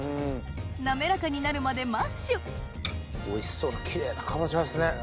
滑らかになるまでマッシュおいしそうなキレイなかぼちゃですね色。